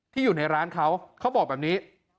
อยู่ในร้านเขาเขาบอกแบบนี้